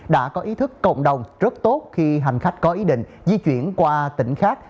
đã có ý thức cộng đồng rất tốt khi hành khách có ý định di chuyển qua tỉnh khác